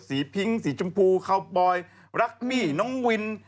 พิ้งสีชมพูคาวบอยรักมี่น้องวิน